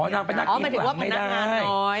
อ๋อนางเป็นนักงานน้อย